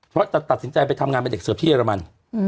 เพราะจะตัดสินใจไปทำงานเป็นเด็กเสิร์ฟที่เรมัน